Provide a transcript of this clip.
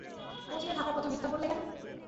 কোচিনে থাকার কথা মিথ্যা বললে কেন?